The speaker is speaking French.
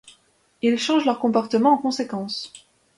Ils changent leur comportement en conséquence.